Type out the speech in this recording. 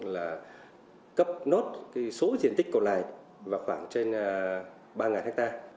là cấp nốt số diện tích còn lại vào khoảng trên ba ha